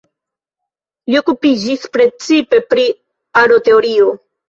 Li okupiĝis precipe pri aroteorio.